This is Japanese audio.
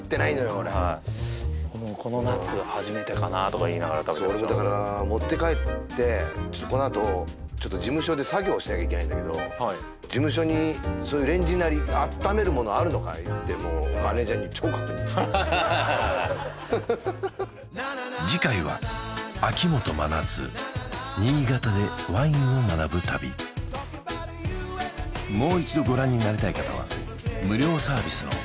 俺はいこのこの夏初めてかなとか言いながら食べてましたそう俺もだから持って帰ってちょっとこのあとちょっと事務所で作業しなきゃいけないんだけど事務所にそういうレンジなり温めるものあるのかいってもうマネージャーに超確認して次回は秋元真夏新潟でワインを学ぶ旅忙しくなるほどはい！